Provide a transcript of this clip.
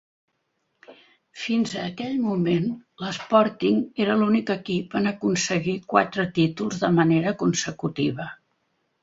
Fins a aquell moment, l'Sporting era l'únic equip en aconseguir quatre títols de manera consecutiva.